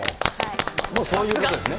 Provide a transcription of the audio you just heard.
もうそういうことですね。